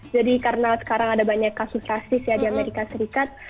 jadi karena sekarang ada banyak kasus klasis di amerika serikat